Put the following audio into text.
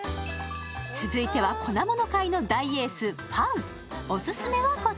続いては粉もの界の大エース、パン。